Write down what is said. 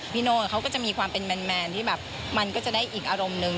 โน่เขาก็จะมีความเป็นแมนที่แบบมันก็จะได้อีกอารมณ์หนึ่ง